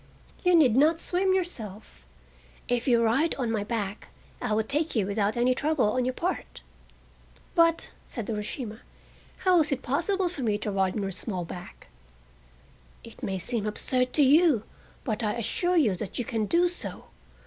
You need not swim yourself. If you will ride on my back I will take you without any trouble on your part." "But," said Urashima, "how is it possible for me to ride on your small back?" "It may seem absurd to you, but I assure you that you can do so.